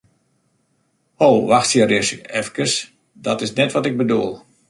Ho, wachtsje ris efkes, dat is net wat ik bedoel!